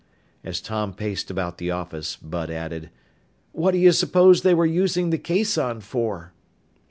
As Tom paced about the office, Bud added, "What do you suppose they were using the caisson for?"